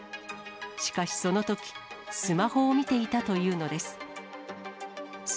しかしそのとき、スマホを見ていたというのです。